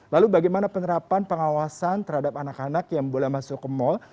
lalu bagaimana penerapan pengawasan terhadap anak anak yang boleh masuk ke mal